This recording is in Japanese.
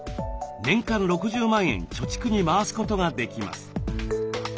年間６０万円貯蓄に回すことができます。